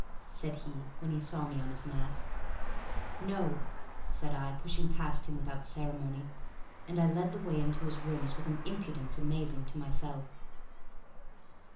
said he, when he saw me on his mat. "No," said I, pushing past him without ceremony. And I led the way into his room with an impudence amazing to myself.